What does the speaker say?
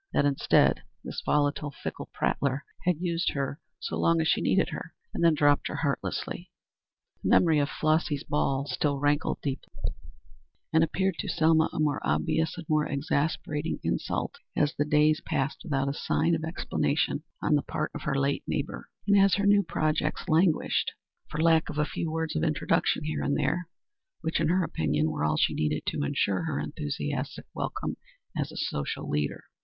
That, instead, this volatile, fickle prattler had used her so long as she needed her, and then dropped her heartlessly. The memory of Flossy's ball still rankled deeply, and appeared to Selma a more obvious and more exasperating insult as the days passed without a sign of explanation on the part of her late neighbor, and as her new projects languished for lack of a few words of introduction here and there, which, in her opinion, were all she needed to ensure her enthusiastic welcome as a social leader.